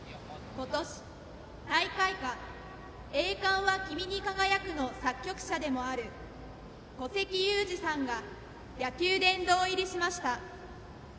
今年大会歌「栄冠は君に輝く」の作曲者でもある古関裕而さんが野球殿堂入りしました。